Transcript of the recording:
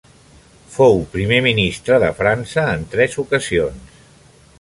Fou Primer Ministre de França en tres ocasions.